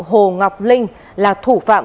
hồ ngọc linh là thủ phạm